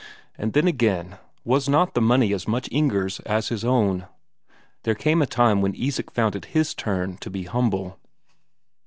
And then again was not the money as much Inger's as his own? There came a time when Isak found it his turn to be humble.